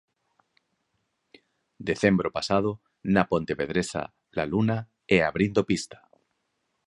Decembro pasado na pontevedresa La Luna e abrindo pista...